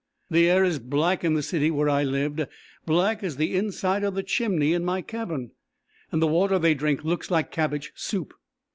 The air is black in the city where I lived; black as the inside of the chimney in my cabin, and the water they drink looks like cabbage soup.